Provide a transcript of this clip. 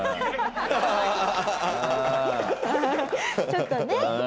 ちょっとね。